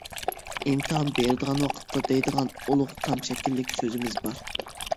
ئىمتىھان بېرىدىغان ۋاقىتتا دەيدىغان ئۇلۇغ تام شەكىللىك سۆزىمىز بار.